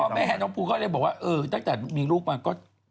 พอแม่แห่งน้องภูกิก็เลยบอกว่าเออตั้งแต่มีลูกมาก็